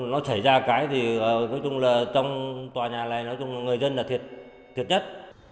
nói chung là trong tòa nhà này người dân là thiệt nhất